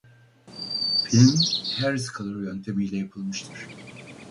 Film Harriscolor yöntemiyle yapılmıştır.